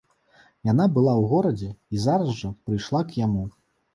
Яна была ў горадзе і зараз жа прыйшла к яму.